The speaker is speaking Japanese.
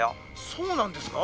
「そうなんですか？」。